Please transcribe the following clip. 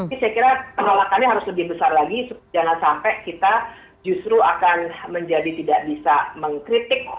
jadi saya kira penolakannya harus lebih besar lagi jangan sampai kita justru akan menjadi tidak bisa mengkritik